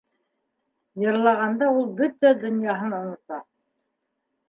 Йырлағанда ул бөтә донъяһын онота.